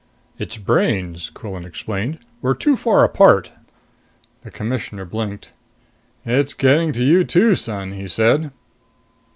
"Its brains," Quillan explained, "were too far apart." The Commissioner blinked. "It's getting to you too, son!" he said.